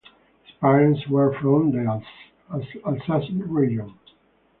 His parents were from the Alsace region.